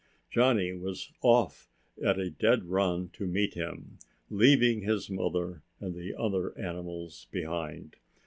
Johnny was off at a dead run to meet him, leaving his mother and the other animals behind.